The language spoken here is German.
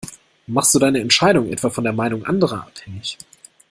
Machst du deine Entscheidung etwa von der Meinung anderer abhängig?